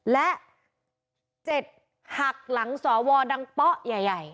และ๗หักหลังสวววท์ดังเปาะใหญ่